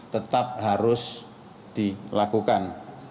tetap harus dilakukan